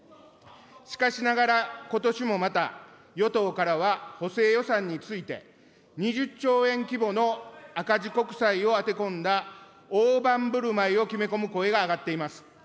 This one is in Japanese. しかしながらことしもまた、与党からは補正予算について、２０兆円規模の赤字国債を当て込んだ大盤ぶるまいを決め込む声が上がっています。